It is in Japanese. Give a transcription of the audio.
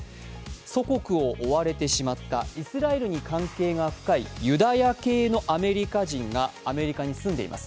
祖国を追われてしまった、イスラエルに関係が深いユダヤ系のアメリカ人がアメリカに住んでいます。